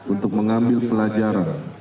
untuk mengambil pelajaran